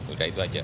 udah itu aja